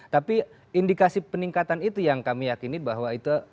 tapi indikasi peningkatan itu yang kami yakini bahwa itu